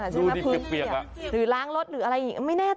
ดูสมชาติได้ปีก